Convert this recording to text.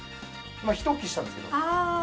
今ひと吹きしたんですけど。